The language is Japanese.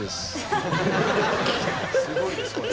すごいですこれ。